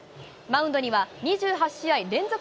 マウンドには２８試合連続